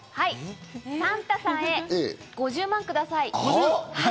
サンタさんへ５０万円ください。